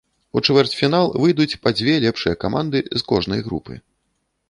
У чвэрцьфінал выйдуць па дзве лепшыя каманды з кожнай групы.